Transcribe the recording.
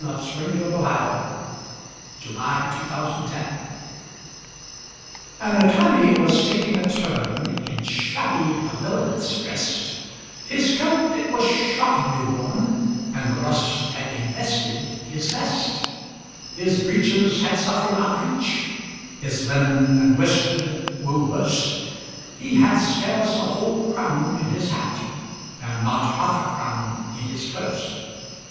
THE BRIEFLESS BARRISTER A BALLAD N Attorney was taking a turn, In shabby habiliments drest; His coat it was shockingly worn, And the rust had invested his vest. His breeches had suffered a breach, His linen and worsted were worse; He had scarce a whole crown in his hat, And not half a crown in his purse.